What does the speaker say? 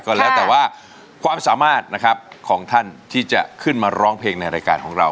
ก็แล้วแต่ว่าความสามารถนะครับของท่านที่จะขึ้นมาร้องเพลงในรายการของเรา